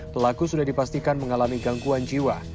pelaku sudah dipastikan mengalami gangguan jiwa